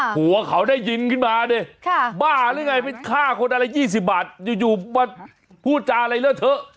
ผัวเขาได้ยินขึ้นมาดิบ้าหรือไงไปฆ่าคนอะไร๒๐บาทอยู่มาพูดจาอะไรเลอะเถอะ